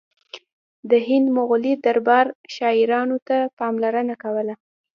د هند مغلي دربار شاعرانو ته پاملرنه کوله